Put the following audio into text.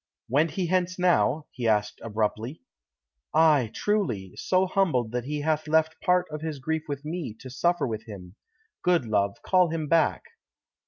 "Went he hence now?" he asked abruptly. "Ay, truly; so humbled that he hath left part of his grief with me, to suffer with him. Good love, call him back."